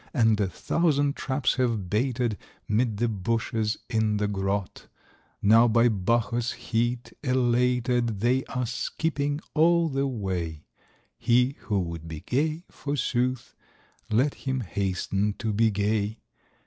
And a thousand traps have baited Mid the bushes, in the grot ; Now by Bacchus* heat elated They are skipping all the way : He who would be gay, forsooth, Let him hasten to be gay.